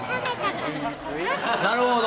なるほど。